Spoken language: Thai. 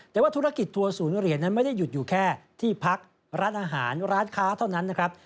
แต่ว่าธุรกิจทัวร์ศูนย์เหรียญนั้นไม่ได้หยุดอยู่แค่ที่พักร้านอาหารร้านค้าเท่านั้นนะครับ